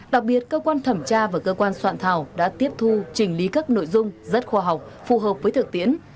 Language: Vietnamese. đặc biệt cơ quan thẩm tra và cơ quan soạn thảo đã tiếp thu chỉnh lý các nội dung rất khoa học phù hợp với thực tiễn